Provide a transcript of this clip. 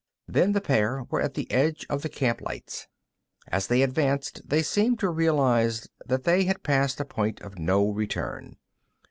Then the pair were at the edge of the camp lights. As they advanced, they seemed to realize that they had passed a point of no return.